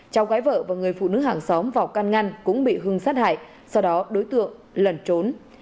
cháu gái vợ và người phụ nữ hàng xóm vào can ngăn cũng bị hưng sát hại sau đó đối tượng lẩn trốn